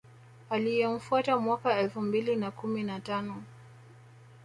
Aliyemfuata mwaka elfu mbili na kumi na tano